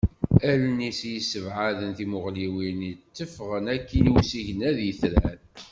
Allen-is yessebɛaden timuɣliwin, itteffɣen akkin i usigna d yitran.